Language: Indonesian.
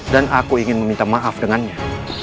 aku ingin meminta maaf dengannya